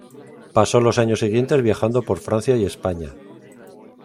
Pasó los años siguientes viajando por Francia y España.